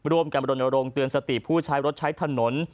รวมกับดนรงเตือนสติผู้ใช้รถใช้ถนน